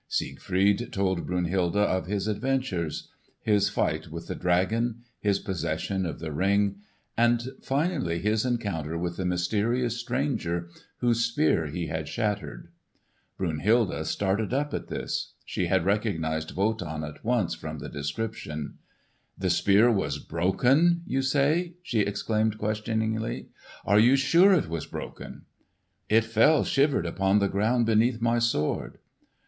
Siegfried told Brunhilde of his adventures; his fight with the dragon; his possession of the Ring; and finally his encounter with the mysterious stranger whose spear he had shattered. Brunhilde started up at this. She had recognised Wotan at once from the description. "The spear was broken, you say?" she exclaimed questioningly. "Are you sure it was broken?" "It fell shivered upon the ground beneath my sword."